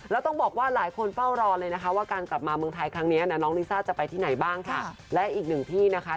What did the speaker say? ดังนั้นนะคะเย็นนี้พร้อมค่ะ